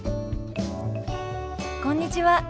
こんにちは。